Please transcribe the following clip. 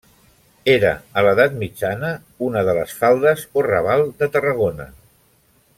Era a l'edat mitjana una de les faldes o raval de Tarragona.